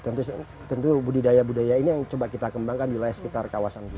tentu budidaya budaya ini yang coba kita kembangkan di sekitar kawasan kita